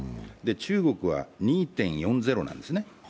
中国は２．４０なんですね。